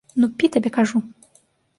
Ну, пі, табе кажу!